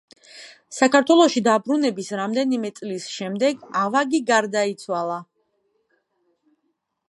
საქართველოში დაბრუნების რამდენიმე წლის შემდეგ ავაგი გარდაიცვალა.